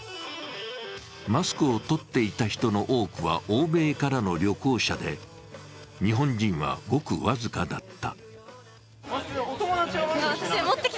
マスクを取っていた人の多くは、欧米からの旅行者で日本人は、ごく僅かだった。